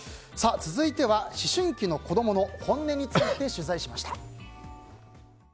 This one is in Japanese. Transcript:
続いては思春期の子供の本音について取材しました。